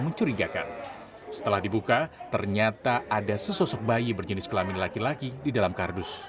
mencurigakan setelah dibuka ternyata ada sesosok bayi berjenis kelamin laki laki di dalam kardus